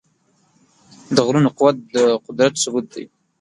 د غرونو قوت د قدرت ثبوت دی.